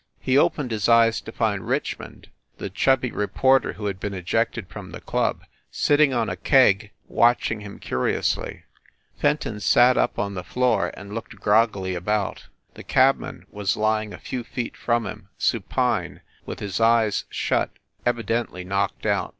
5} He opened his eyes to find Richmond, the chubby reporter who had been ejected from the club, sitting on a keg, watching him curiously. Fenton sat up on the floor and looked groggily about. The cabman was lying a few feet from him, supine, with his eyes shut, evidently knocked out.